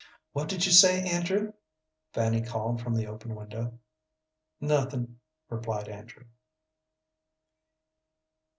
"What did you say, Andrew?" Fanny called from the open window. "Nothin'," replied Andrew.